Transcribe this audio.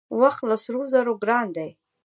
وخت له سرو زرو ګران دی .